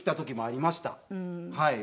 はい。